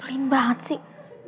pegang banget sih